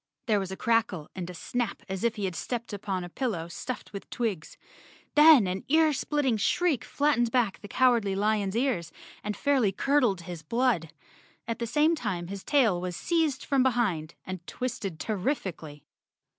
There was a crackle and snap as if he had stepped upon a pillow stuffed with twigs. Then an ear split 115 The Cowardly Lion of Oz _ ting shriek flattened back the Cowardly Lion's ears and fairly curdled his blood. At the same time his tail was seized from behind, and twisted terrifically.